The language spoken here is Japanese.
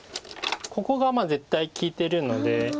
ここが絶対利いてるので。